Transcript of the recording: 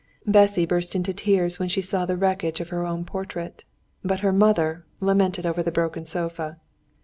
Bessy burst into tears when she saw the wreckage of her own portrait, but her mother lamented over the broken sofa.